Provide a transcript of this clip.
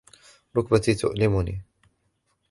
ركبتي تؤلمني.